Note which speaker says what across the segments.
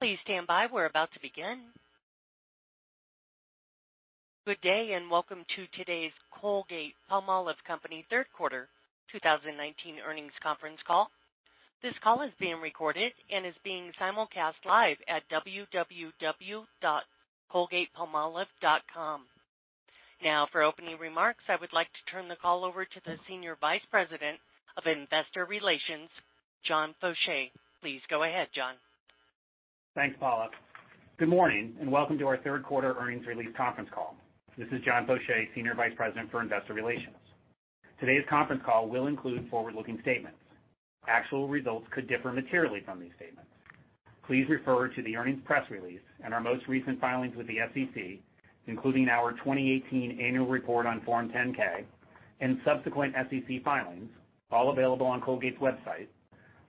Speaker 1: Please stand by. We're about to begin. Good day, welcome to today's Colgate-Palmolive Company third quarter 2019 earnings conference call. This call is being recorded and is being simulcast live at www.colgatepalmolive.com. Now, for opening remarks, I would like to turn the call over to the Senior Vice President of Investor Relations, John Faucher. Please go ahead, John.
Speaker 2: Thanks, Paula. Good morning, and welcome to our third quarter earnings release conference call. This is John Faucher, Senior Vice President for Investor Relations. Today's conference call will include forward-looking statements. Actual results could differ materially from these statements. Please refer to the earnings press release and our most recent filings with the SEC, including our 2018 annual report on Form 10-K and subsequent SEC filings, all available on Colgate's website,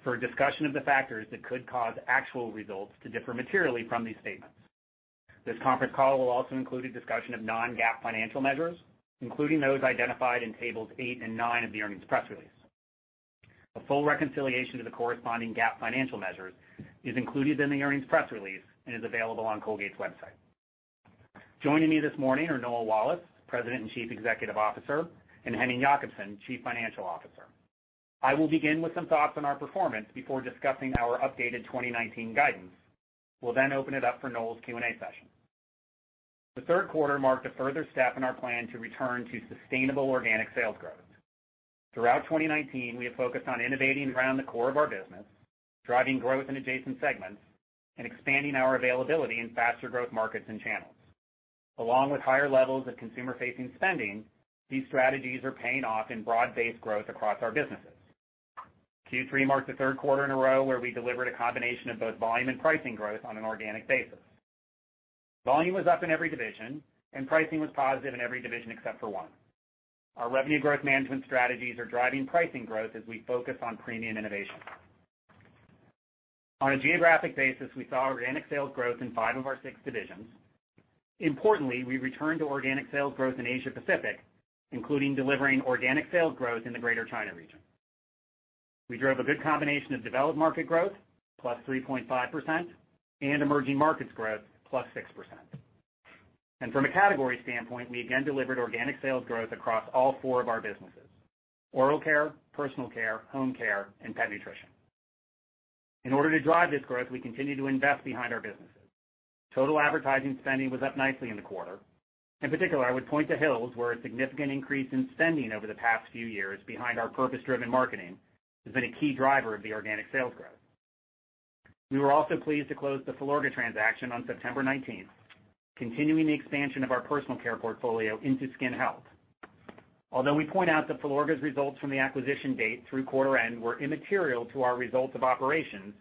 Speaker 2: for a discussion of the factors that could cause actual results to differ materially from these statements. This conference call will also include a discussion of non-GAAP financial measures, including those identified in tables 8 and 9 of the earnings press release. A full reconciliation to the corresponding GAAP financial measures is included in the earnings press release and is available on Colgate's website. Joining me this morning are Noel Wallace, President and Chief Executive Officer, and Henning Jakobsen, Chief Financial Officer. I will begin with some thoughts on our performance before discussing our updated 2019 guidance. We'll then open it up for Noel's Q&A session. The third quarter marked a further step in our plan to return to sustainable organic sales growth. Throughout 2019, we have focused on innovating around the core of our business, driving growth in adjacent segments, and expanding our availability in faster growth markets and channels. Along with higher levels of consumer-facing spending, these strategies are paying off in broad-based growth across our businesses. Q3 marked the third quarter in a row where we delivered a combination of both volume and pricing growth on an organic basis. Volume was up in every division, and pricing was positive in every division except for one. Our revenue growth management strategies are driving pricing growth as we focus on premium innovation. On a geographic basis, we saw organic sales growth in five of our six divisions. We returned to organic sales growth in Asia Pacific, including delivering organic sales growth in the Greater China region. We drove a good combination of developed market growth, plus 3.5%, and emerging markets growth, plus 6%. From a category standpoint, we again delivered organic sales growth across all four of our businesses, oral care, personal care, home care, and pet nutrition. In order to drive this growth, we continue to invest behind our businesses. Total advertising spending was up nicely in the quarter. In particular, I would point to Hill's, where a significant increase in spending over the past few years behind our purpose-driven marketing has been a key driver of the organic sales growth. We were also pleased to close the Filorga transaction on September 19th, continuing the expansion of our personal care portfolio into skin health. We point out that Filorga's results from the acquisition date through quarter end were immaterial to our results of operations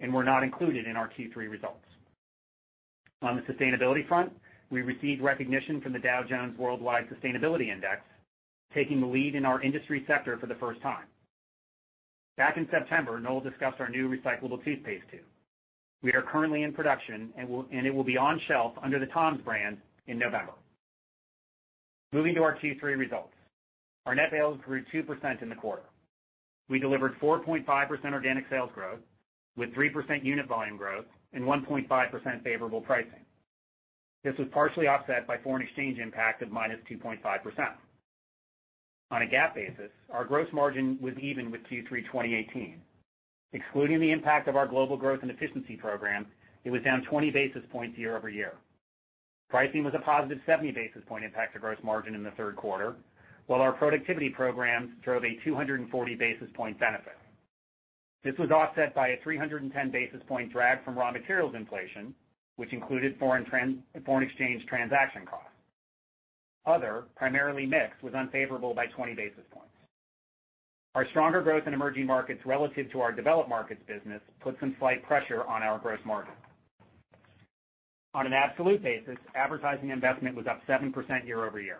Speaker 2: and were not included in our Q3 results. On the sustainability front, we received recognition from the Dow Jones Sustainability World Index, taking the lead in our industry sector for the first time. Back in September, Noel discussed our new recyclable toothpaste tube. We are currently in production, and it will be on shelf under the Tom's brand in November. Moving to our Q3 results. Our net sales grew 2% in the quarter. We delivered 4.5% organic sales growth with 3% unit volume growth and 1.5% favorable pricing. This was partially offset by foreign exchange impact of minus 2.5%. On a GAAP basis, our gross margin was even with Q3 2018. Excluding the impact of our Global Growth and Efficiency Program, it was down 20 basis points year-over-year. Pricing was a positive 70 basis point impact to gross margin in the third quarter, while our productivity programs drove a 240 basis point benefit. This was offset by a 310 basis point drag from raw materials inflation, which included foreign exchange transaction costs. Other, primarily mixed, was unfavorable by 20 basis points. Our stronger growth in emerging markets relative to our developed markets business put some slight pressure on our gross margin. On an absolute basis, advertising investment was up 7% year-over-year.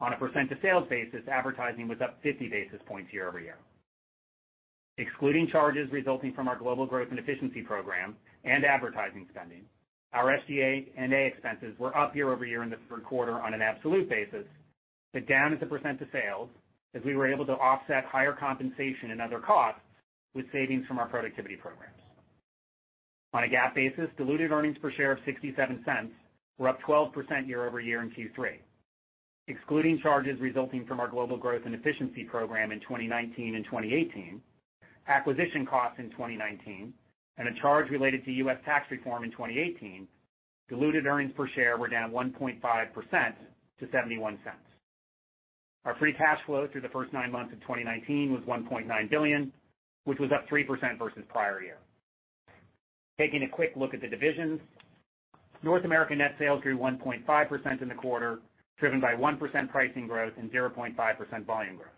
Speaker 2: On a percent to sales basis, advertising was up 50 basis points year-over-year. Excluding charges resulting from our Global Growth and Efficiency Program and advertising spending, our SG&A expenses were up year-over-year in the third quarter on an absolute basis, but down as a % to sales as we were able to offset higher compensation and other costs with savings from our productivity programs. On a GAAP basis, diluted earnings per share of $0.67 were up 12% year-over-year in Q3. Excluding charges resulting from our Global Growth and Efficiency Program in 2019 and 2018, acquisition costs in 2019, and a charge related to U.S. tax reform in 2018, diluted earnings per share were down 1.5% to $0.71. Our free cash flow through the first nine months of 2019 was $1.9 billion, which was up 3% versus prior year. Taking a quick look at the divisions. North America net sales grew 1.5% in the quarter, driven by 1% pricing growth and 0.5% volume growth.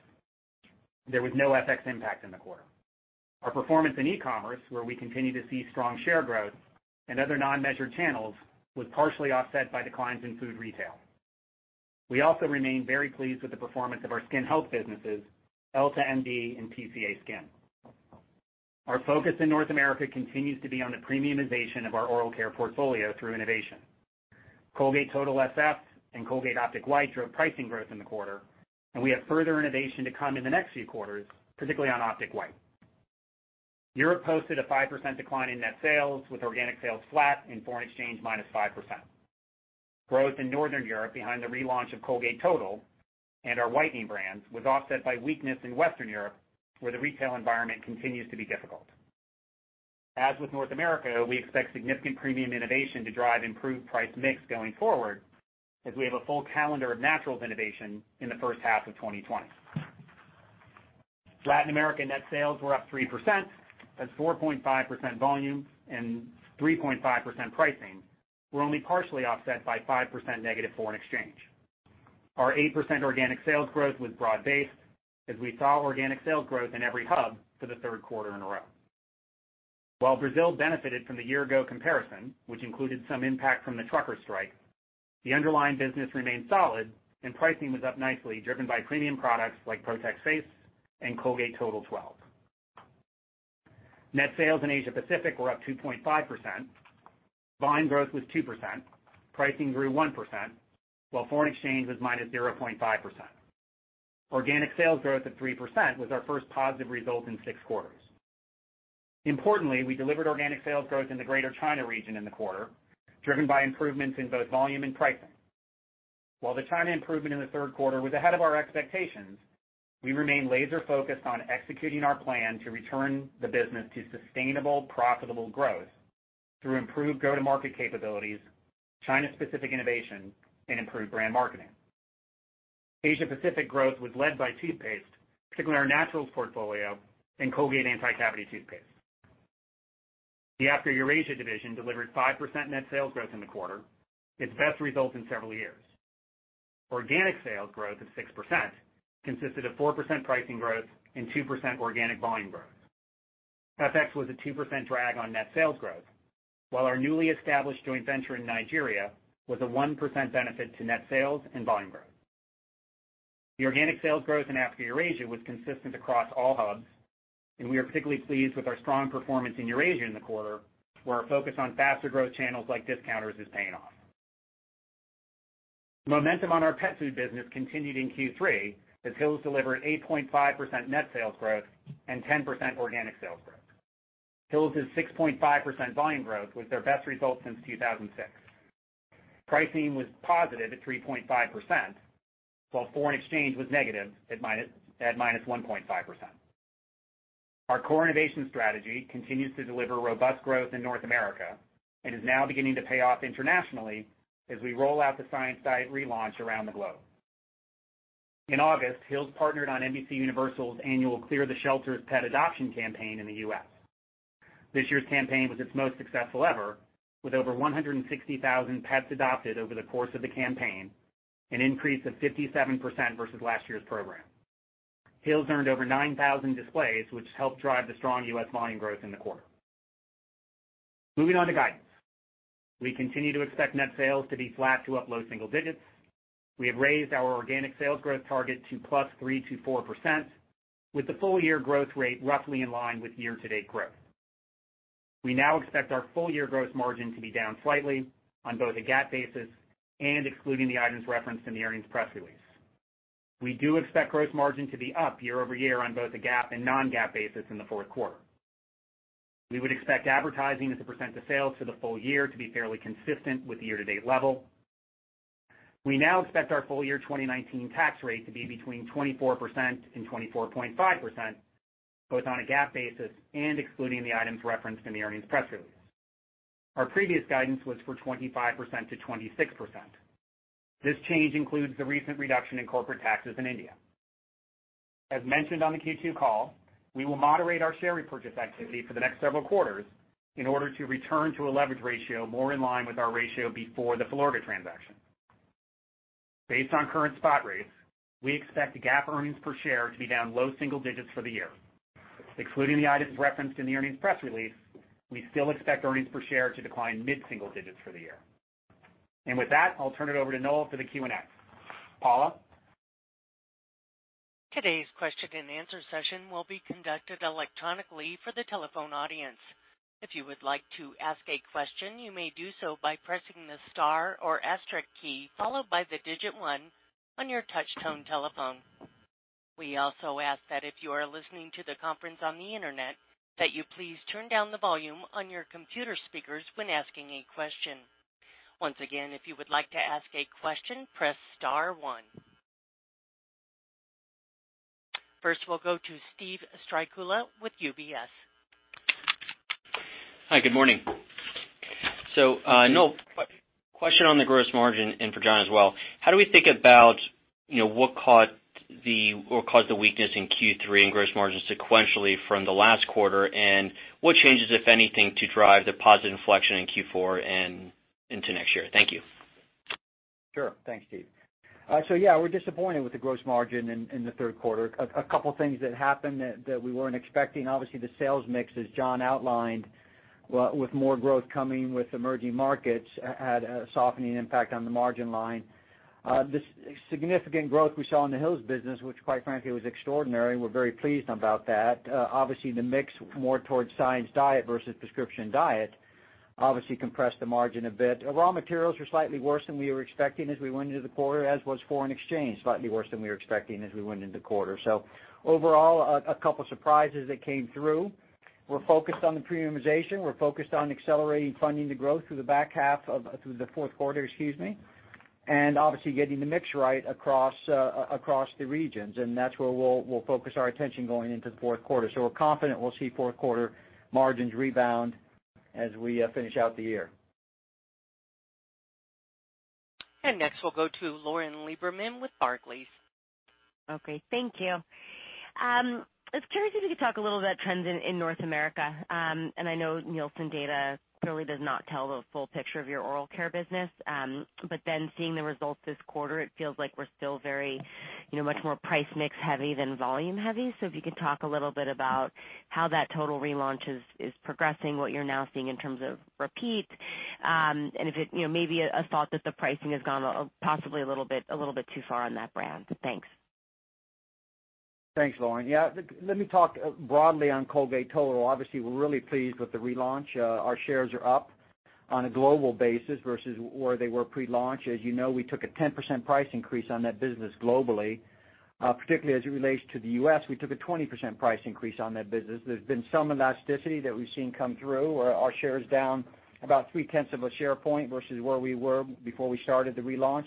Speaker 2: There was no FX impact in the quarter. Our performance in e-commerce, where we continue to see strong share growth and other non-measured channels, was partially offset by declines in food retail. We also remain very pleased with the performance of our skin health businesses, EltaMD and PCA SKIN. Our focus in North America continues to be on the premiumization of our oral care portfolio through innovation. Colgate Total SF and Colgate Optic White drove pricing growth in the quarter, and we have further innovation to come in the next few quarters, particularly on Optic White. Europe posted a 5% decline in net sales, with organic sales flat and foreign exchange minus 5%. Growth in Northern Europe behind the relaunch of Colgate Total and our whitening brands was offset by weakness in Western Europe, where the retail environment continues to be difficult. As with North America, we expect significant premium innovation to drive improved price mix going forward as we have a full calendar of naturals innovation in the first half of 2020. Latin American net sales were up 3%, as 4.5% volume and 3.5% pricing were only partially offset by 5% negative foreign exchange. Our 8% organic sales growth was broad-based, as we saw organic sales growth in every hub for the third quarter in a row. While Brazil benefited from the year-ago comparison, which included some impact from the trucker strike, the underlying business remained solid, and pricing was up nicely, driven by premium products like Protex Face and Colgate Total 12. Net sales in Asia Pacific were up 2.5%. Volume growth was 2%, pricing grew 1%, while foreign exchange was -0.5%. Organic sales growth of 3% was our first positive result in six quarters. Importantly, we delivered organic sales growth in the Greater China region in the quarter, driven by improvements in both volume and pricing. While the China improvement in the third quarter was ahead of our expectations, we remain laser-focused on executing our plan to return the business to sustainable, profitable growth through improved go-to-market capabilities, China-specific innovation, and improved brand marketing. Asia Pacific growth was led by toothpaste, particularly our Naturals portfolio and Colgate Cavity Protection. The Africa/Eurasia division delivered 5% net sales growth in the quarter, its best result in several years. Organic sales growth of 6% consisted of 4% pricing growth and 2% organic volume growth. FX was a 2% drag on net sales growth, while our newly established joint venture in Nigeria was a 1% benefit to net sales and volume growth. The organic sales growth in Africa/Eurasia was consistent across all hubs, and we are particularly pleased with our strong performance in Eurasia in the quarter, where our focus on faster growth channels like discounters is paying off. The momentum on our pet food business continued in Q3 as Hill's delivered 8.5% net sales growth and 10% organic sales growth. Hill's 6.5% volume growth was their best result since 2006. Pricing was positive at 3.5%, while foreign exchange was negative at minus 1.5%. Our core innovation strategy continues to deliver robust growth in North America and is now beginning to pay off internationally as we roll out the Science Diet relaunch around the globe. In August, Hill's partnered on NBCUniversal's annual Clear The Shelters pet adoption campaign in the U.S. This year's campaign was its most successful ever, with over 160,000 pets adopted over the course of the campaign, an increase of 57% versus last year's program. Hill's earned over 9,000 displays, which helped drive the strong U.S. volume growth in the quarter. Moving on to guidance. We continue to expect net sales to be flat to up low single digits. We have raised our organic sales growth target to +3%-4%, with the full-year growth rate roughly in line with year-to-date growth. We now expect our full-year gross margin to be down slightly on both a GAAP basis and excluding the items referenced in the earnings press release. We do expect gross margin to be up year-over-year on both the GAAP and non-GAAP basis in the fourth quarter. We would expect advertising as a % of sales for the full year to be fairly consistent with the year-to-date level. We now expect our full-year 2019 tax rate to be between 24% and 24.5%, both on a GAAP basis and excluding the items referenced in the earnings press release. Our previous guidance was for 25%-26%. This change includes the recent reduction in corporate taxes in India. As mentioned on the Q2 call, we will moderate our share repurchase activity for the next several quarters in order to return to a leverage ratio more in line with our ratio before the Filorga transaction. Based on current spot rates, we expect GAAP earnings per share to be down low single digits for the year. Excluding the items referenced in the earnings press release, we still expect earnings per share to decline mid-single digits for the year. With that, I'll turn it over to Noel for the Q&A. Paula?
Speaker 1: Today's question and answer session will be conducted electronically for the telephone audience. If you would like to ask a question, you may do so by pressing the star or asterisk key, followed by the digit 1 on your touch-tone telephone. We also ask that if you are listening to the conference on the Internet, that you please turn down the volume on your computer speakers when asking a question. Once again, if you would like to ask a question, press star one. First, we'll go to Steven Strycula with UBS.
Speaker 3: Hi, good morning. Noel, question on the gross margin and for John as well. How do we think about what caused the weakness in Q3 and gross margin sequentially from the last quarter, and what changes, if anything, to drive the positive inflection in Q4 and into next year? Thank you.
Speaker 4: Sure. Thanks, Steve. Yeah, we're disappointed with the gross margin in the third quarter. A couple of things that happened that we weren't expecting. Obviously, the sales mix, as John outlined, with more growth coming with emerging markets, had a softening impact on the margin line. The significant growth we saw in the Hill's business, which quite frankly was extraordinary, we're very pleased about that. Obviously, the mix more towards Hill's Science Diet versus Hill's Prescription Diet obviously compressed the margin a bit. Raw materials were slightly worse than we were expecting as we went into the quarter, as was foreign exchange, slightly worse than we were expecting as we went into quarter. Overall, a couple surprises that came through. We're focused on the premiumization. We're focused on accelerating funding the growth through the fourth quarter, excuse me, obviously getting the mix right across the regions. That's where we'll focus our attention going into the fourth quarter. We're confident we'll see fourth quarter margins rebound as we finish out the year.
Speaker 1: Next, we'll go to Lauren Lieberman with Barclays.
Speaker 5: Okay, thank you. I was curious if you could talk a little about trends in North America. I know Nielsen data clearly does not tell the full picture of your oral care business. Seeing the results this quarter, it feels like we're still very much more price mix heavy than volume heavy. If you could talk a little bit about how that Total relaunch is progressing, what you're now seeing in terms of repeats, and maybe a thought that the pricing has gone possibly a little bit too far on that brand. Thanks.
Speaker 4: Thanks, Lauren. Yeah. Let me talk broadly on Colgate Total. Obviously, we're really pleased with the relaunch. Our shares are up on a global basis versus where they were pre-launch. As you know, we took a 10% price increase on that business globally. Particularly as it relates to the U.S., we took a 20% price increase on that business. There's been some elasticity that we've seen come through. Our share is down about 0.3 of a share point versus where we were before we started the relaunch.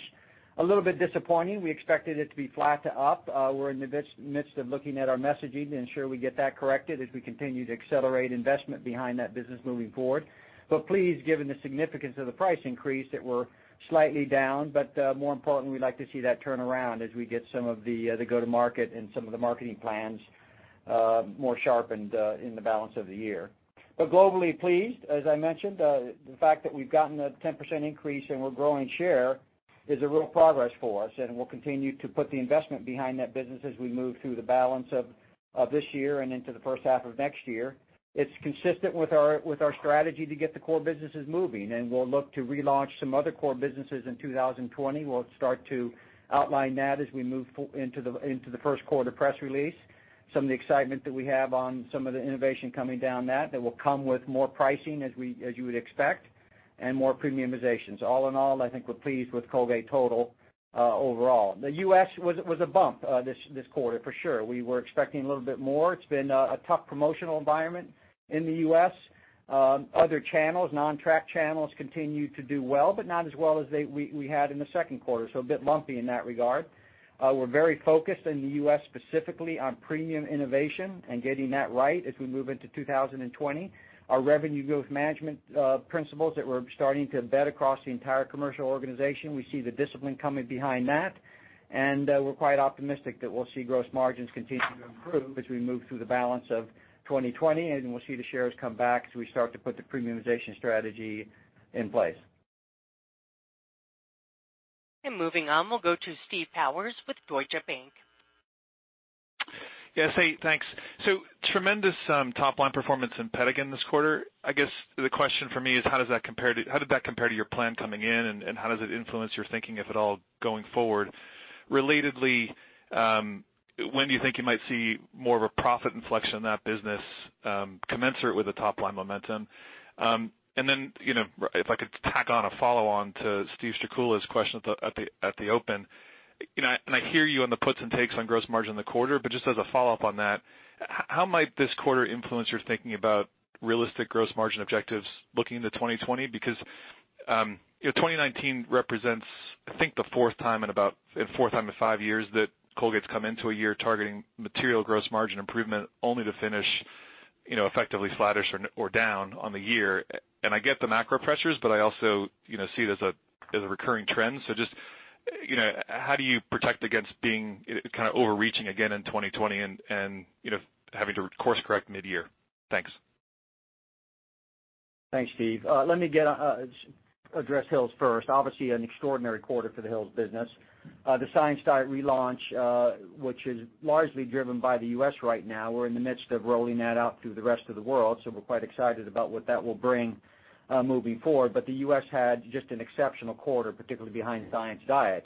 Speaker 4: A little bit disappointing. We expected it to be flat to up. We're in the midst of looking at our messaging to ensure we get that corrected as we continue to accelerate investment behind that business moving forward. Pleased, given the significance of the price increase, that we're slightly down, but more importantly, we'd like to see that turn around as we get some of the go-to-market and some of the marketing plans more sharpened in the balance of the year. Globally pleased. As I mentioned, the fact that we've gotten a 10% increase and we're growing share is a real progress for us, and we'll continue to put the investment behind that business as we move through the balance of this year and into the first half of next year. It's consistent with our strategy to get the core businesses moving, and we'll look to relaunch some other core businesses in 2020. We'll start to outline that as we move into the first quarter press release. Some of the excitement that we have on some of the innovation coming down that will come with more pricing as you would expect, and more premiumizations. All in all, I think we're pleased with Colgate Total overall. The U.S. was a bump this quarter, for sure. We were expecting a little bit more. It's been a tough promotional environment in the U.S. Other channels, non-track channels, continue to do well, but not as well as we had in the second quarter, so a bit lumpy in that regard. We're very focused in the U.S. specifically on premium innovation and getting that right as we move into 2020. Our revenue growth management principles that we're starting to embed across the entire commercial organization, we see the discipline coming behind that, and we're quite optimistic that we'll see gross margins continue to improve as we move through the balance of 2020, and we'll see the shares come back as we start to put the premiumization strategy in place.
Speaker 1: Moving on, we'll go to Steve Powers with Deutsche Bank.
Speaker 6: Yes. Hey, thanks. Tremendous top-line performance in Pet again this quarter. I guess the question from me is how did that compare to your plan coming in, and how does it influence your thinking, if at all, going forward? Relatedly, when do you think you might see more of a profit inflection in that business commensurate with the top-line momentum? If I could tack on a follow-on to Steven Strycula's question at the open. I hear you on the puts and takes on gross margin in the quarter, but just as a follow-up on that, how might this quarter influence your thinking about realistic gross margin objectives looking into 2020? 2019 represents, I think the fourth time in about five years that Colgate's come into a year targeting material gross margin improvement only to finish effectively flattish or down on the year. I get the macro pressures, but I also see it as a recurring trend. Just how do you protect against being kind of overreaching again in 2020 and having to course correct mid-year? Thanks.
Speaker 4: Thanks, Steve. Let me address Hill's first. Obviously, an extraordinary quarter for the Hill's business. The Science Diet relaunch, which is largely driven by the U.S. right now. We're in the midst of rolling that out through the rest of the world, so we're quite excited about what that will bring moving forward. The U.S. had just an exceptional quarter, particularly behind Science Diet.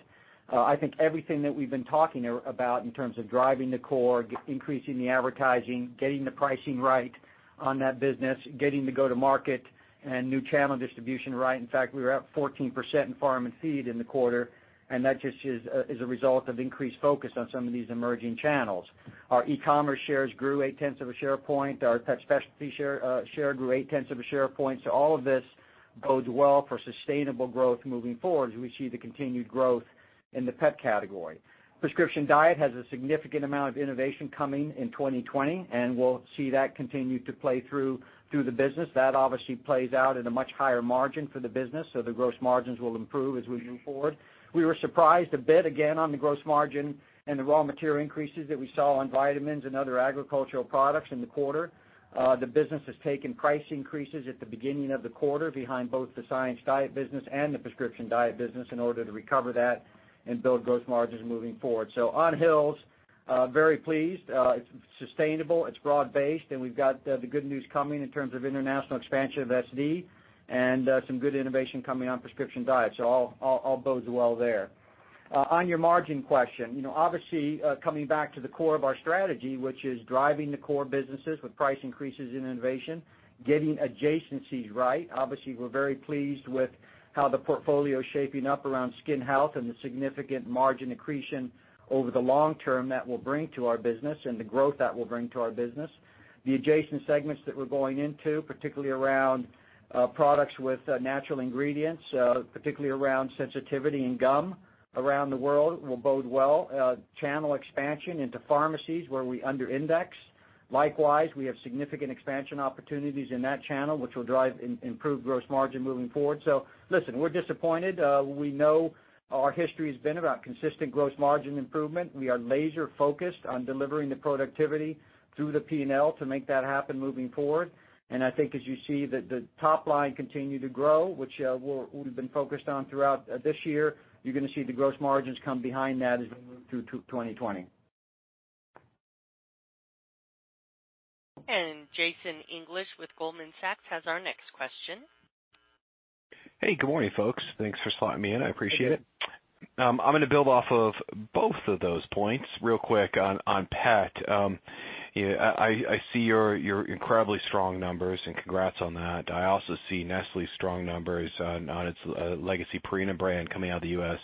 Speaker 4: I think everything that we've been talking about in terms of driving the core, increasing the advertising, getting the pricing right on that business, getting the go-to-market and new channel distribution right. In fact, we were up 14% in farm and feed in the quarter, and that just is a result of increased focus on some of these emerging channels. Our e-commerce shares grew 0.8 of a share point. Our pet specialty share grew 0.8 of a share point. All of this bodes well for sustainable growth moving forward as we see the continued growth in the pet category. Prescription Diet has a significant amount of innovation coming in 2020, and we'll see that continue to play through the business. That obviously plays out at a much higher margin for the business, so the gross margins will improve as we move forward. We were surprised a bit again on the gross margin and the raw material increases that we saw on vitamins and other agricultural products in the quarter. The business has taken price increases at the beginning of the quarter behind both the Science Diet business and the Prescription Diet business in order to recover that and build gross margins moving forward. On Hill's, very pleased. It's sustainable, it's broad-based, and we've got the good news coming in terms of international expansion of SD and some good innovation coming on prescription diet. All bodes well there. On your margin question, obviously, coming back to the core of our strategy, which is driving the core businesses with price increases and innovation, getting adjacencies right. Obviously, we're very pleased with how the portfolio is shaping up around skin health and the significant margin accretion over the long term that will bring to our business and the growth that will bring to our business. The adjacent segments that we're going into, particularly around products with natural ingredients, particularly around sensitivity and gum around the world will bode well. Channel expansion into pharmacies where we under index. Likewise, we have significant expansion opportunities in that channel, which will drive improved gross margin moving forward. Listen, we're disappointed. We know our history has been about consistent gross margin improvement. We are laser-focused on delivering the productivity through the P&L to make that happen moving forward. I think as you see the top line continue to grow, which we've been focused on throughout this year, you're going to see the gross margins come behind that as we move through 2020.
Speaker 1: Jason English with Goldman Sachs has our next question.
Speaker 7: Hey, good morning, folks. Thanks for slotting me in. I appreciate it. I'm going to build off of both of those points real quick on pet. I see your incredibly strong numbers, and congrats on that. I also see Nestlé's strong numbers on its legacy Purina brand coming out of the U.S.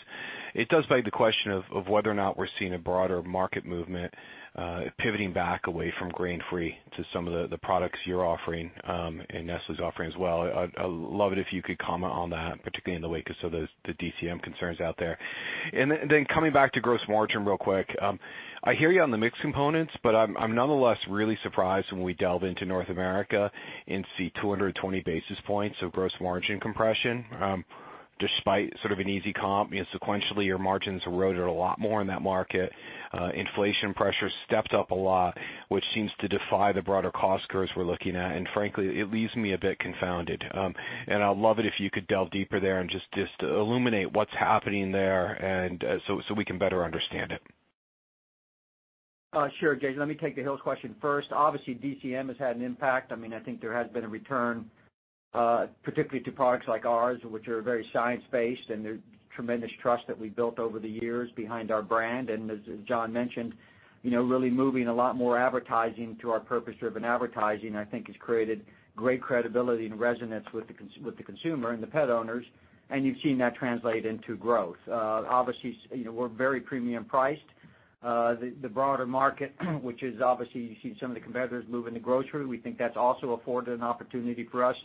Speaker 7: It does beg the question of whether or not we're seeing a broader market movement pivoting back away from grain-free to some of the products you're offering and Nestlé's offering as well. I'd love it if you could comment on that, particularly in the wake of some of those DCM concerns out there. Coming back to gross margin real quick. I hear you on the mix components, but I'm nonetheless really surprised when we delve into North America and see 220 basis points of gross margin compression, despite sort of an easy comp. Sequentially, your margins eroded a lot more in that market. Inflation pressure stepped up a lot, which seems to defy the broader cost curves we're looking at. Frankly, it leaves me a bit confounded. I'd love it if you could delve deeper there and just illuminate what's happening there so we can better understand it.
Speaker 4: Sure, Jason, let me take the Hill's question first. Obviously, DCM has had an impact. I think there has been a return, particularly to products like ours, which are very science-based, and there's tremendous trust that we built over the years behind our brand. As John mentioned, really moving a lot more advertising to our purpose-driven advertising, I think has created great credibility and resonance with the consumer and the pet owners. You've seen that translate into growth. Obviously, we're very premium priced. The broader market, which is obviously you see some of the competitors move into grocery, we think that's also afforded an opportunity for us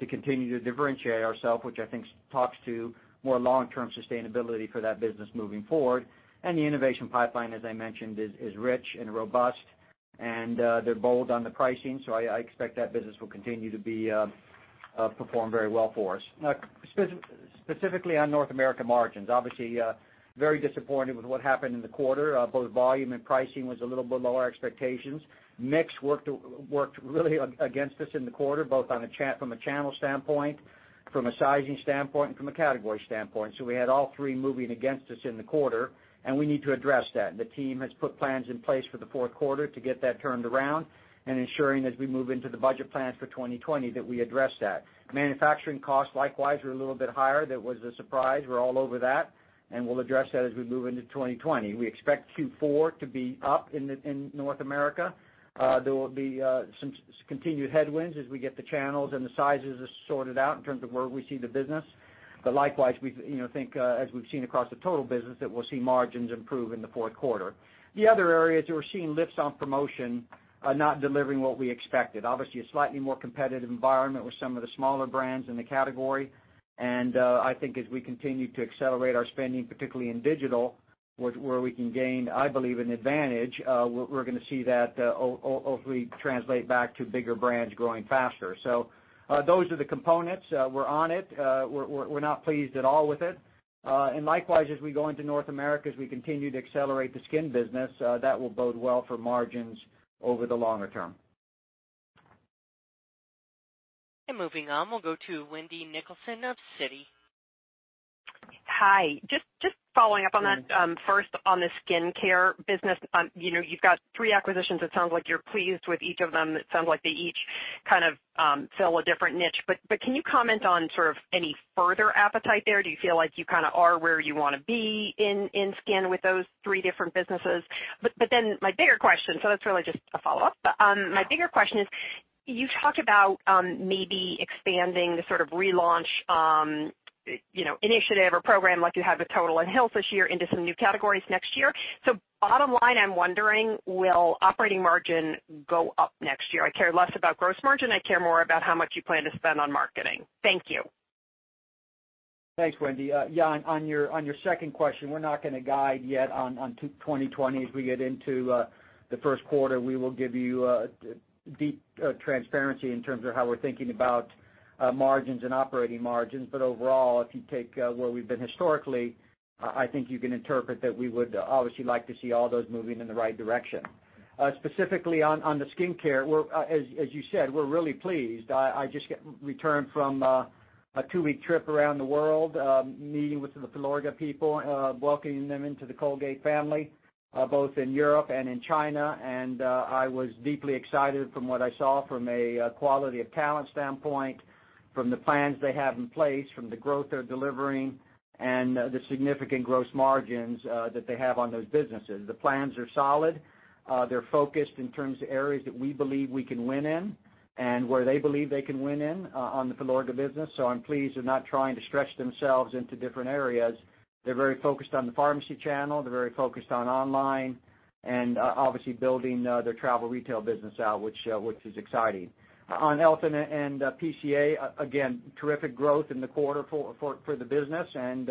Speaker 4: to continue to differentiate ourselves, which I think talks to more long-term sustainability for that business moving forward. The innovation pipeline, as I mentioned, is rich and robust, and they're bold on the pricing, so I expect that business will continue to perform very well for us. Now, specifically on North America margins, obviously, very disappointed with what happened in the quarter. Both volume and pricing was a little bit below our expectations. Mix worked really against us in the quarter, both from a channel standpoint, from a sizing standpoint, and from a category standpoint. We had all three moving against us in the quarter, and we need to address that. The team has put plans in place for the fourth quarter to get that turned around and ensuring as we move into the budget plans for 2020 that we address that. Manufacturing costs, likewise, are a little bit higher. That was a surprise. We're all over that, and we'll address that as we move into 2020. We expect Q4 to be up in North America. There will be some continued headwinds as we get the channels and the sizes sorted out in terms of where we see the business. Likewise, we think as we've seen across the total business, that we'll see margins improve in the fourth quarter. The other areas, we're seeing lifts on promotion not delivering what we expected. Obviously, a slightly more competitive environment with some of the smaller brands in the category. I think as we continue to accelerate our spending, particularly in digital, where we can gain, I believe, an advantage, we're going to see that hopefully translate back to bigger brands growing faster. Those are the components. We're on it. We're not pleased at all with it. Likewise, as we go into North America, as we continue to accelerate the skin business, that will bode well for margins over the longer term.
Speaker 1: Moving on, we'll go to Wendy Nicholson of Citi.
Speaker 8: Hi. Just following up on that. First, on the skin care business. You've got three acquisitions. It sounds like you're pleased with each of them. It sounds like they each kind of fill a different niche. Can you comment on sort of any further appetite there? Do you feel like you kind of are where you want to be in skin with those three different businesses? My bigger question, so that's really just a follow-up, but my bigger question is, you talked about maybe expanding the sort of relaunch initiative or program like you had with Total and Hill's this year into some new categories next year. Bottom line, I'm wondering, will operating margin go up next year? I care less about gross margin. I care more about how much you plan to spend on marketing. Thank you.
Speaker 4: Thanks, Wendy. Yeah, on your second question, we're not going to guide yet on 2020. As we get into the first quarter, we will give you deep transparency in terms of how we're thinking about margins and operating margins. Overall, if you take where we've been historically, I think you can interpret that we would obviously like to see all those moving in the right direction. Specifically on the skin care, as you said, we're really pleased. I just returned from a two-week trip around the world, meeting with the Filorga people, welcoming them into the Colgate family, both in Europe and in China. I was deeply excited from what I saw from a quality of talent standpoint, from the plans they have in place, from the growth they're delivering, and the significant gross margins that they have on those businesses. The plans are solid. They're focused in terms of areas that we believe we can win in and where they believe they can win in on the Filorga business. I'm pleased they're not trying to stretch themselves into different areas. They're very focused on the pharmacy channel. They're very focused on online and obviously building their travel retail business out, which is exciting. On EltaMD and PCA, again, terrific growth in the quarter for the business, and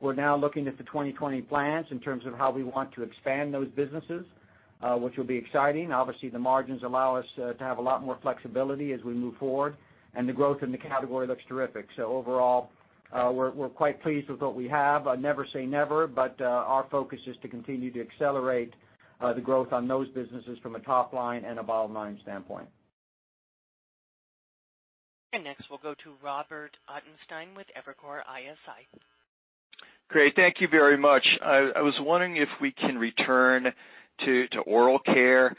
Speaker 4: we're now looking at the 2020 plans in terms of how we want to expand those businesses, which will be exciting. Obviously, the margins allow us to have a lot more flexibility as we move forward, and the growth in the category looks terrific. Overall, we're quite pleased with what we have. Never say never, but our focus is to continue to accelerate the growth on those businesses from a top-line and a bottom-line standpoint.
Speaker 1: Next, we'll go to Robert Ottenstein with Evercore ISI.
Speaker 9: Great. Thank you very much. I was wondering if we can return to oral care.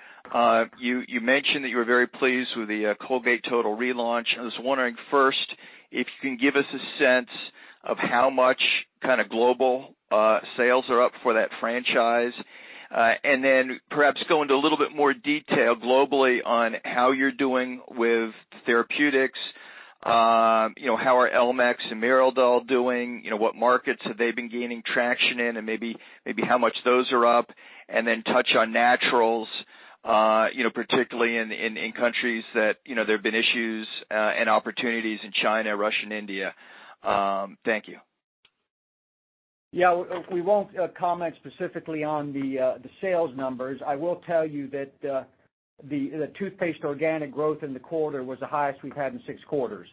Speaker 9: You mentioned that you were very pleased with the Colgate Total relaunch. I was wondering, first, if you can give us a sense of how much global sales are up for that franchise. Perhaps go into a little bit more detail globally on how you're doing with therapeutics. How are elmex and meridol doing? What markets have they been gaining traction in, and maybe how much those are up, then touch on naturals, particularly in countries that there have been issues and opportunities in China, Russia, and India. Thank you.
Speaker 4: Yeah, we won't comment specifically on the sales numbers. I will tell you that the toothpaste organic growth in the quarter was the highest we've had in six quarters,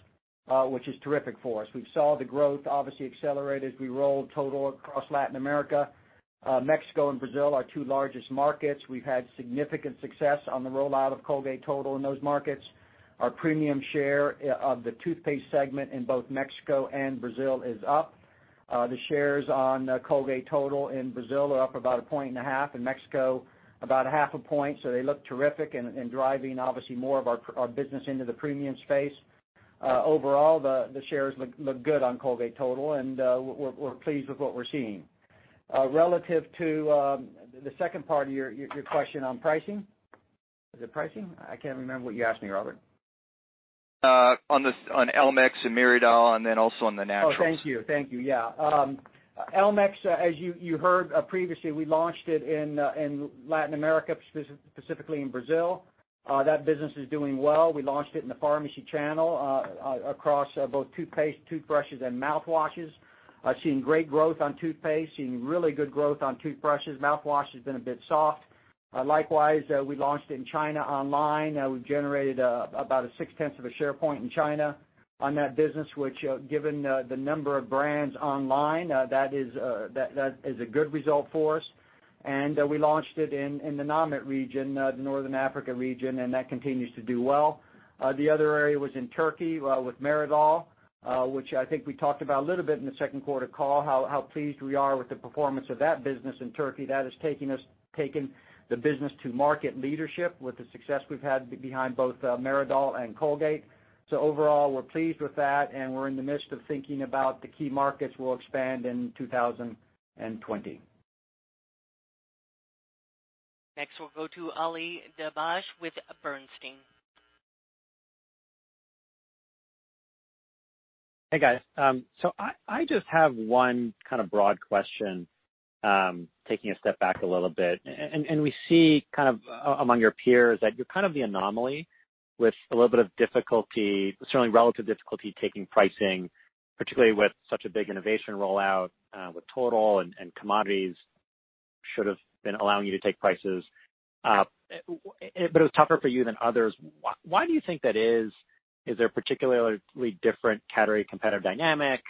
Speaker 4: which is terrific for us. We saw the growth obviously accelerate as we rolled Total across Latin America. Mexico and Brazil are our two largest markets. We've had significant success on the rollout of Colgate Total in those markets. Our premium share of the toothpaste segment in both Mexico and Brazil is up. The shares on Colgate Total in Brazil are up about a point and a half, in Mexico, about a half a point. They look terrific and driving obviously more of our business into the premium space. Overall, the shares look good on Colgate Total, and we're pleased with what we're seeing. Relative to the second part of your question on pricing. Is it pricing? I can't remember what you asked me, Robert.
Speaker 9: On elmex and meridol and then also on the naturals.
Speaker 4: Thank you. Thank you, yeah. elmex as you heard previously, we launched it in Latin America, specifically in Brazil. That business is doing well. We launched it in the pharmacy channel across both toothpaste, toothbrushes, and mouthwashes. Seeing great growth on toothpaste, seeing really good growth on toothbrushes. Mouthwash has been a bit soft. We launched in China online. We've generated about a 0.6 of a share point in China on that business, which given the number of brands online, that is a good result for us. We launched it in the NAMET region, the Northern Africa region, and that continues to do well. The other area was in Turkey with meridol, which I think we talked about a little bit in the second quarter call, how pleased we are with the performance of that business in Turkey. That has taken the business to market leadership with the success we've had behind both meridol and Colgate. Overall, we're pleased with that, and we're in the midst of thinking about the key markets we'll expand in 2020.
Speaker 1: Next, we'll go to Ali Dibadj with Bernstein.
Speaker 10: Hey, guys. I just have one broad question, taking a step back a little bit. We see among your peers that you're the anomaly with a little bit of difficulty, certainly relative difficulty taking pricing, particularly with such a big innovation rollout with Colgate Total and commodities should have been allowing you to take prices. It was tougher for you than others. Why do you think that is? Is there a particularly different category competitive dynamic?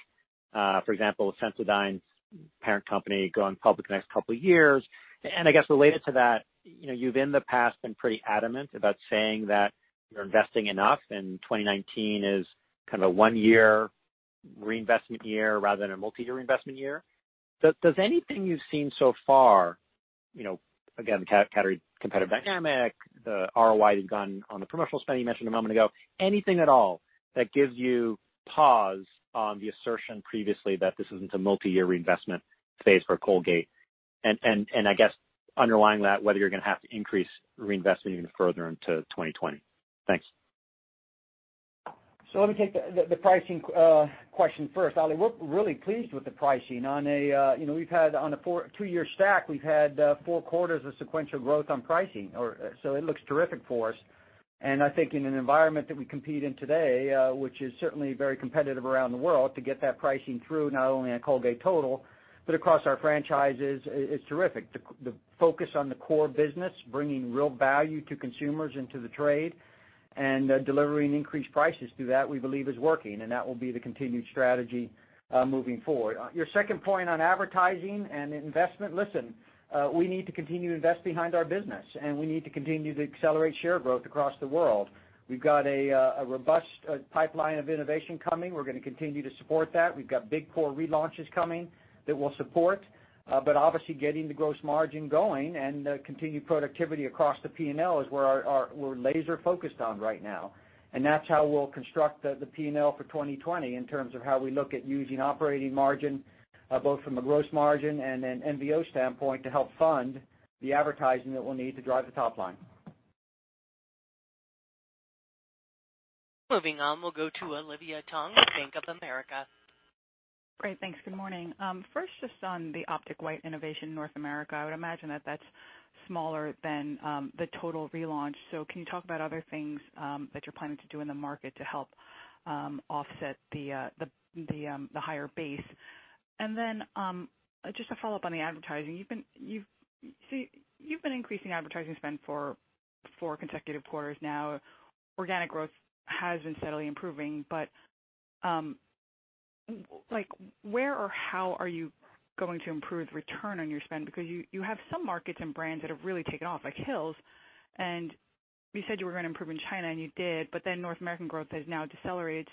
Speaker 10: For example, Sensodyne's parent company going public the next couple of years. I guess related to that, you've in the past been pretty adamant about saying that you're investing enough and 2019 is a one-year reinvestment year rather than a multi-year investment year. Does anything you've seen so far, again, the category competitive dynamic, the ROI you've gotten on the promotional spend you mentioned a moment ago, anything at all that gives you pause on the assertion previously that this isn't a multi-year reinvestment phase for Colgate? I guess underlying that, whether you're going to have to increase reinvestment even further into 2020? Thanks.
Speaker 4: Let me take the pricing question first, Ali. We're really pleased with the pricing. On a two-year stack, we've had four quarters of sequential growth on pricing. It looks terrific for us. I think in an environment that we compete in today, which is certainly very competitive around the world to get that pricing through, not only on Colgate Total, but across our franchises, it's terrific. The focus on the core business, bringing real value to consumers into the trade and delivering increased prices through that, we believe is working, and that will be the continued strategy moving forward. Your second point on advertising and investment, listen, we need to continue to invest behind our business, and we need to continue to accelerate share growth across the world. We've got a robust pipeline of innovation coming. We're going to continue to support that. We've got big core relaunches coming that we'll support. Obviously getting the gross margin going and continued productivity across the P&L is where we're laser-focused on right now, and that's how we'll construct the P&L for 2020 in terms of how we look at using operating margin both from a gross margin and an MVO standpoint to help fund the advertising that we'll need to drive the top line.
Speaker 1: Moving on, we'll go to Olivia Tong, Bank of America.
Speaker 11: Great. Thanks. Good morning. First, just on the Optic White innovation North America, I would imagine that that's smaller than the total relaunch. So can you talk about other things that you're planning to do in the market to help offset the higher base? Then, just a follow-up on the advertising. You've been increasing advertising spend for four consecutive quarters now. Organic growth has been steadily improving, but where or how are you going to improve the return on your spend? You have some markets and brands that have really taken off, like Hill's, and you said you were going to improve in China and you did, but then North American growth has now decelerated.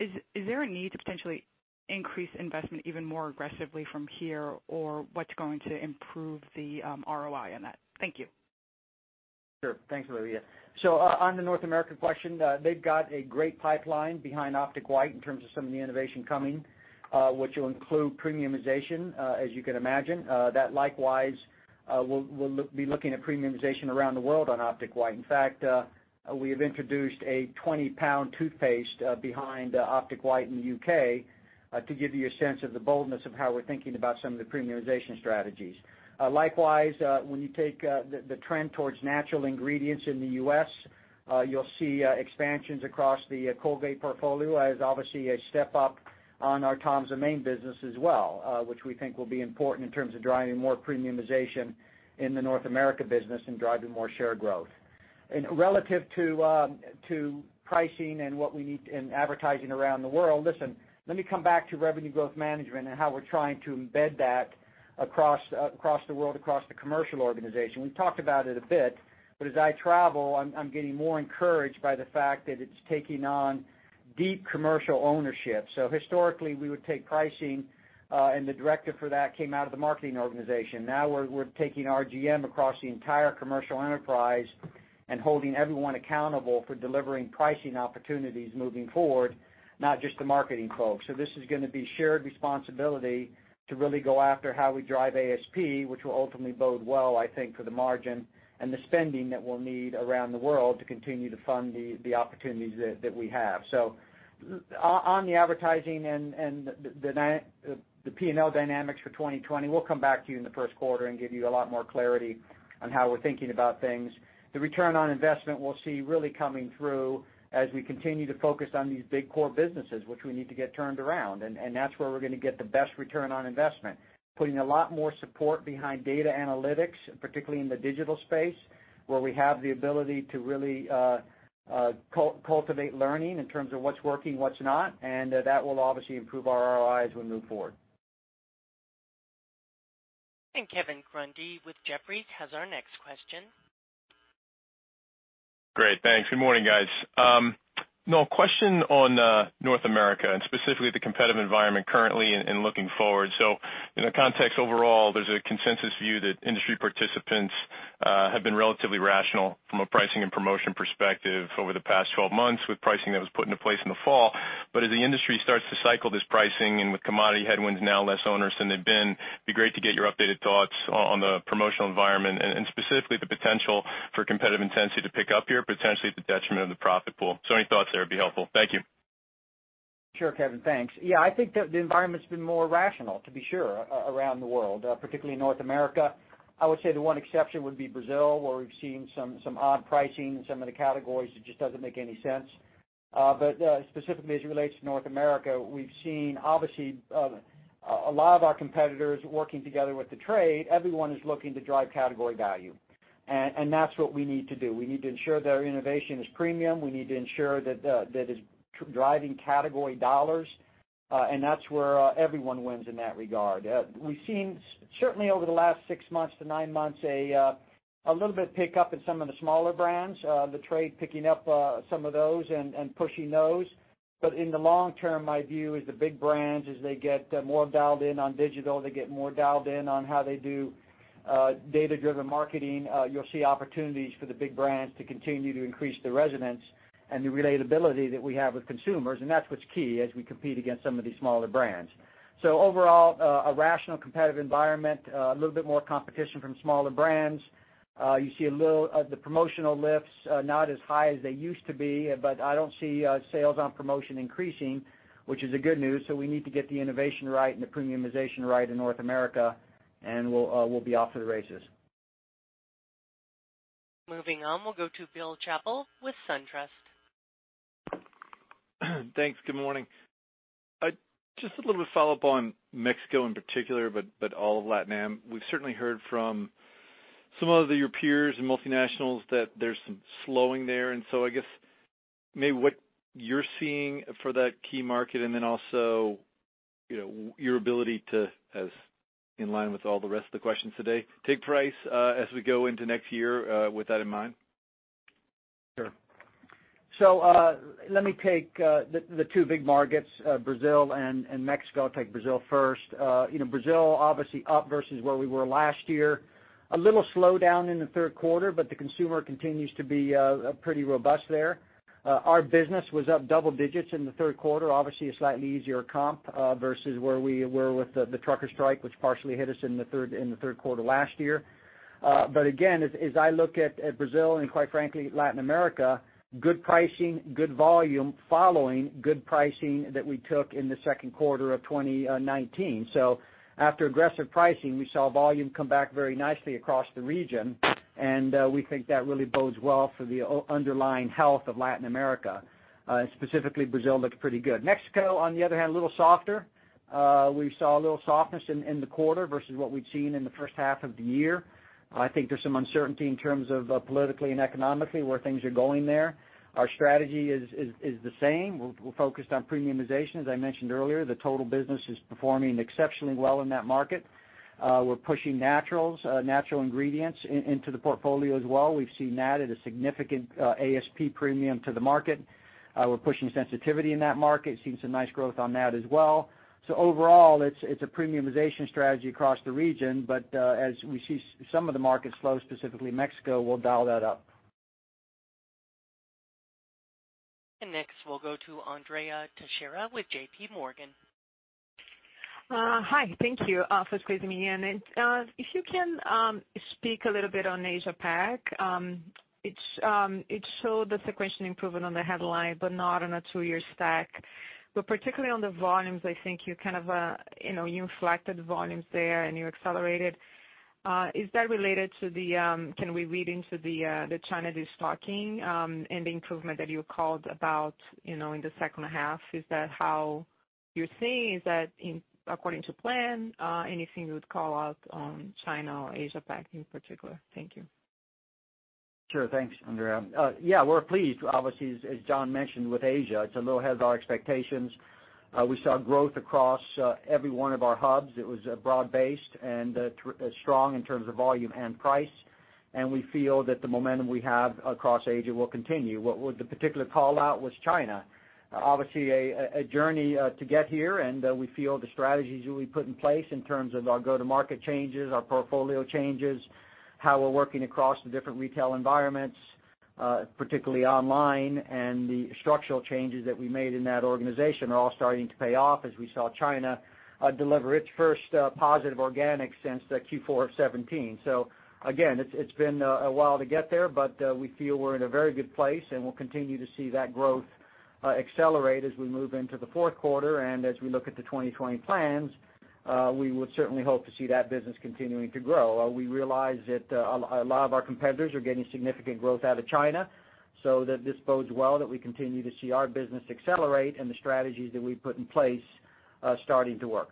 Speaker 11: Is there a need to potentially increase investment even more aggressively from here, or what's going to improve the ROI on that? Thank you.
Speaker 4: Sure. Thanks, Olivia. On the North American question, they've got a great pipeline behind Optic White in terms of some of the innovation coming, which will include premiumization, as you can imagine, that likewise will be looking at premiumization around the world on Optic White. In fact, we have introduced a 20-pound toothpaste behind Optic White in the U.K., to give you a sense of the boldness of how we're thinking about some of the premiumization strategies. Likewise, when you take the trend towards natural ingredients in the U.S., you'll see expansions across the Colgate portfolio as obviously a step up on our Tom's of Maine business as well, which we think will be important in terms of driving more premiumization in the North America business and driving more share growth. Relative to pricing and advertising around the world, listen, let me come back to revenue growth management and how we're trying to embed that across the world, across the commercial organization. We've talked about it a bit, as I travel, I'm getting more encouraged by the fact that it's taking on deep commercial ownership. Historically, we would take pricing, and the director for that came out of the marketing organization. Now we're taking RGM across the entire commercial enterprise and holding everyone accountable for delivering pricing opportunities moving forward, not just the marketing folks. This is going to be shared responsibility to really go after how we drive ASP, which will ultimately bode well, I think, for the margin and the spending that we'll need around the world to continue to fund the opportunities that we have. On the advertising and the P&L dynamics for 2020, we'll come back to you in the first quarter and give you a lot more clarity on how we're thinking about things. The return on investment we'll see really coming through as we continue to focus on these big core businesses, which we need to get turned around, and that's where we're going to get the best return on investment. Putting a lot more support behind data analytics, particularly in the digital space, where we have the ability to really cultivate learning in terms of what's working, what's not, and that will obviously improve our ROIs as we move forward.
Speaker 1: Kevin Grundy with Jefferies has our next question.
Speaker 12: Great. Thanks. Good morning, guys. Noel, question on North America and specifically the competitive environment currently and looking forward? In a context overall, there's a consensus view that industry participants have been relatively rational from a pricing and promotion perspective over the past 12 months with pricing that was put into place in the fall. As the industry starts to cycle this pricing and with commodity headwinds now less onerous than they've been, it'd be great to get your updated thoughts on the promotional environment and specifically the potential for competitive intensity to pick up here, potentially at the detriment of the profit pool. Any thoughts there would be helpful. Thank you.
Speaker 4: Sure, Kevin. Thanks. I think that the environment's been more rational, to be sure, around the world, particularly North America. I would say the one exception would be Brazil, where we've seen some odd pricing in some of the categories that just doesn't make any sense. Specifically as it relates to North America, we've seen, obviously, a lot of our competitors working together with the trade. Everyone is looking to drive category value, and that's what we need to do. We need to ensure that our innovation is premium. We need to ensure that it's driving category dollars, and that's where everyone wins in that regard. We've seen certainly over the last six months to nine months, a little bit pick up in some of the smaller brands, the trade picking up some of those and pushing those. In the long term, my view is the big brands, as they get more dialed in on digital, they get more dialed in on how they do data-driven marketing, you'll see opportunities for the big brands to continue to increase the resonance and the relatability that we have with consumers, and that's what's key as we compete against some of these smaller brands. Overall, a rational competitive environment, a little bit more competition from smaller brands. You see the promotional lifts not as high as they used to be, but I don't see sales on promotion increasing, which is a good news. We need to get the innovation right and the premiumization right in North America, and we'll be off to the races.
Speaker 1: Moving on, we'll go to Bill Chappell with SunTrust.
Speaker 13: Thanks. Good morning. Just a little bit of follow-up on Mexico in particular, but all of Latin Am. We've certainly heard from some of your peers and multinationals that there's some slowing there, and so I guess maybe what you're seeing for that key market, and then also your ability to, as in line with all the rest of the questions today, take price as we go into next year with that in mind.
Speaker 4: Sure. Let me take the two big markets, Brazil and Mexico. I will take Brazil first. Brazil, obviously up versus where we were last year. A little slowdown in the third quarter, the consumer continues to be pretty robust there. Our business was up double digits in the third quarter. Obviously a slightly easier comp, versus where we were with the trucker strike, which partially hit us in the third quarter last year. Again, as I look at Brazil and quite frankly, Latin America, good pricing, good volume following good pricing that we took in the second quarter of 2019. After aggressive pricing, we saw volume come back very nicely across the region, and we think that really bodes well for the underlying health of Latin America, specifically Brazil looked pretty good. Mexico, on the other hand, a little softer. We saw a little softness in the quarter versus what we'd seen in the first half of the year. I think there's some uncertainty in terms of politically and economically where things are going there. Our strategy is the same. We're focused on premiumization, as I mentioned earlier. The total business is performing exceptionally well in that market. We're pushing naturals, natural ingredients into the portfolio as well. We've seen that at a significant ASP premium to the market. We're pushing sensitivity in that market. Seeing some nice growth on that as well. Overall, it's a premiumization strategy across the region, but as we see some of the markets slow, specifically Mexico, we'll dial that up.
Speaker 1: Next, we'll go to Andrea Teixeira with JPMorgan.
Speaker 14: Hi. Thank you for squeezing me in. If you can speak a little bit on Asia Pac. It showed the sequential improvement on the headline, but not on a two-year stack. Particularly on the volumes, I think you kind of inflected volumes there and you accelerated. Can we read into the China destocking, and the improvement that you called about in the second half? Is that how you're seeing? Is that according to plan? Anything you would call out on China or Asia Pac in particular? Thank you.
Speaker 4: Thanks, Andrea. We're pleased, obviously, as John mentioned, with Asia. It's a little ahead of our expectations. We saw growth across every one of our hubs. It was broad-based and strong in terms of volume and price, we feel that the momentum we have across Asia will continue. The particular call-out was China. Obviously, a journey to get here, we feel the strategies that we put in place in terms of our go-to-market changes, our portfolio changes, how we're working across the different retail environments, particularly online, and the structural changes that we made in that organization are all starting to pay off as we saw China deliver its first positive organic since the Q4 of 2017. Again, it's been a while to get there, but we feel we're in a very good place, and we'll continue to see that growth accelerate as we move into the fourth quarter. As we look at the 2020 plans, we would certainly hope to see that business continuing to grow. We realize that a lot of our competitors are getting significant growth out of China, so this bodes well that we continue to see our business accelerate and the strategies that we've put in place starting to work.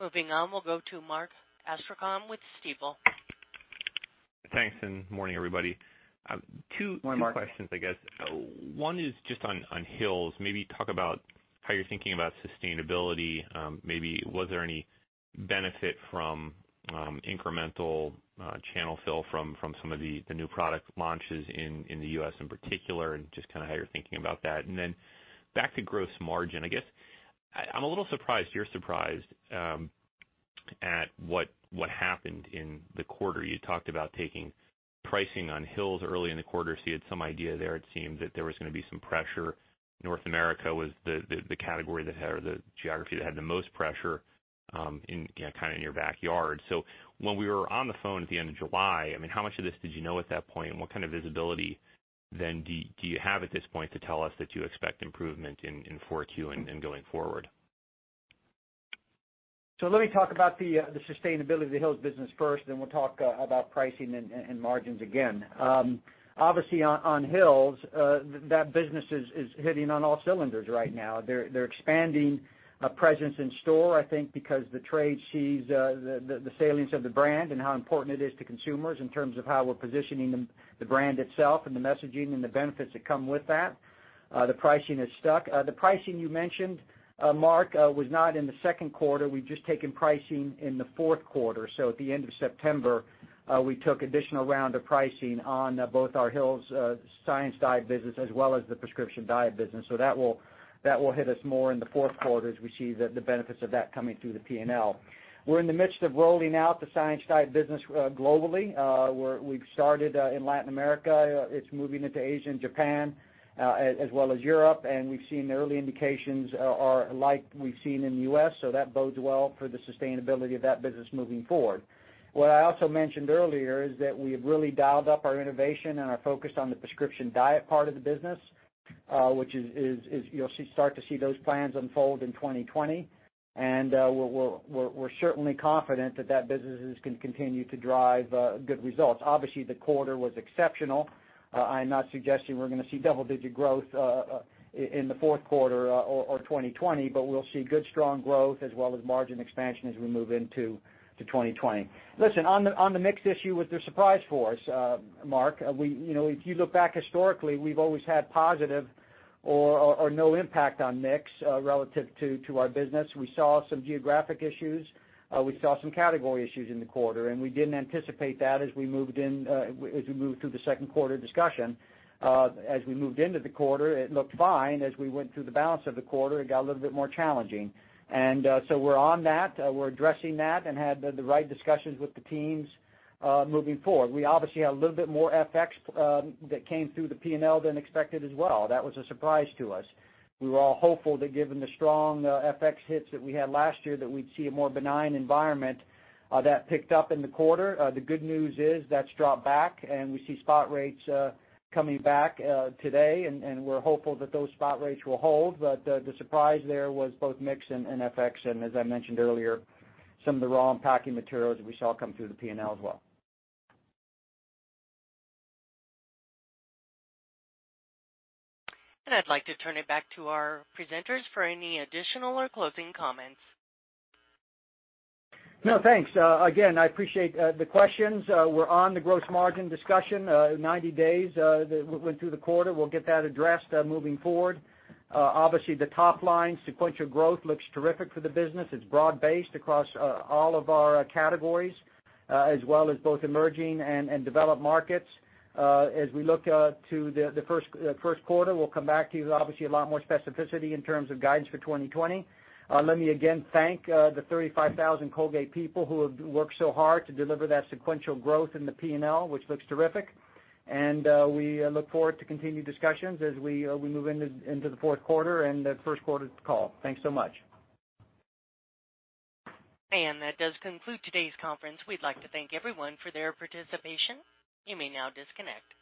Speaker 1: Moving on, we'll go to Mark Astrachan with Stifel.
Speaker 15: Thanks. Morning, everybody.
Speaker 4: Morning, Mark.
Speaker 15: Two questions, I guess. One is just on Hill's. Maybe talk about how you're thinking about sustainability. Maybe was there any benefit from incremental channel fill from some of the new product launches in the U.S. in particular, and just how you're thinking about that. Back to gross margin, I guess, I'm a little surprised you're surprised at what happened in the quarter. You talked about taking pricing on Hill's early in the quarter, so you had some idea there it seemed that there was gonna be some pressure. North America was the category or the geography that had the most pressure in your backyard. When we were on the phone at the end of July, how much of this did you know at that point? What kind of visibility then do you have at this point to tell us that you expect improvement in 4Q and going forward?
Speaker 4: Let me talk about the sustainability of the Hill's business first, then we'll talk about pricing and margins again. Obviously on Hill's, that business is hitting on all cylinders right now. They're expanding a presence in store, I think because the trade sees the salience of the brand and how important it is to consumers in terms of how we're positioning the brand itself and the messaging and the benefits that come with that. The pricing has stuck. The pricing you mentioned, Mark, was not in the second quarter. We've just taken pricing in the fourth quarter. At the end of September, we took additional round of pricing on both our Hill's Science Diet business as well as the Prescription Diet business. That will hit us more in the fourth quarter as we see the benefits of that coming through the P&L. We're in the midst of rolling out the Science Diet business globally. We've started in Latin America. It's moving into Asia and Japan, as well as Europe. We've seen the early indications are like we've seen in the U.S., so that bodes well for the sustainability of that business moving forward. What I also mentioned earlier is that we have really dialed up our innovation and our focus on the Prescription Diet part of the business, which you'll start to see those plans unfold in 2020. We're certainly confident that business is going to continue to drive good results. Obviously, the quarter was exceptional. I am not suggesting we're gonna see double-digit growth in the fourth quarter or 2020, but we'll see good strong growth as well as margin expansion as we move into 2020. Listen, on the mix issue, was there surprise for us, Mark? If you look back historically, we've always had positive or no impact on mix relative to our business. We saw some geographic issues. We saw some category issues in the quarter. We didn't anticipate that as we moved through the second quarter discussion. As we moved into the quarter, it looked fine. As we went through the balance of the quarter, it got a little bit more challenging. We're on that. We're addressing that and had the right discussions with the teams moving forward. We obviously had a little bit more FX that came through the P&L than expected as well. That was a surprise to us. We were all hopeful that given the strong FX hits that we had last year, that we'd see a more benign environment. That picked up in the quarter. The good news is that's dropped back, and we see spot rates coming back today, and we're hopeful that those spot rates will hold. The surprise there was both mix and FX, and as I mentioned earlier, some of the raw and packing materials that we saw come through the P&L as well.
Speaker 1: I'd like to turn it back to our presenters for any additional or closing comments.
Speaker 4: No, thanks. Again, I appreciate the questions. We're on the gross margin discussion, 90 days that went through the quarter. We'll get that addressed moving forward. Obviously, the top line sequential growth looks terrific for the business. It's broad-based across all of our categories, as well as both emerging and developed markets. As we look to the first quarter, we'll come back to you with obviously a lot more specificity in terms of guidance for 2020. Let me again thank the 35,000 Colgate people who have worked so hard to deliver that sequential growth in the P&L, which looks terrific. We look forward to continued discussions as we move into the fourth quarter and the first quarter's call. Thanks so much.
Speaker 1: That does conclude today's conference. We'd like to thank everyone for their participation. You may now disconnect.